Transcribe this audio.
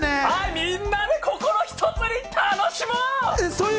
みんなで心ひとつに楽しもう！